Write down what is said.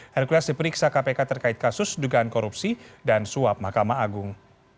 hercules diperiksa kpk terkait kasus dugaan korupsi dan suap mahkamah agung